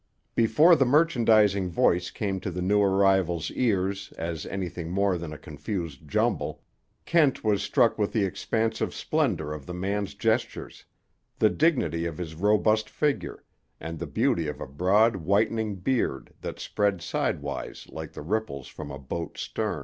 Before the merchandizing voice came to the new arrival's ears as anything more than a confused jumble, Kent was struck with the expansive splendor of the man's gestures, the dignity of his robust figure, and the beauty of a broad whitening beard that spread sidewise like the ripples from a boat's stem.